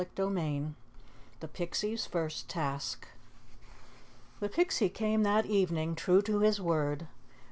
CHAPTER III THE PIXIE'S FIRST TASK The Pixie came that evening, true to his word.